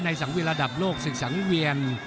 ในสังวิลระดับโลกศิษย์สังเวียน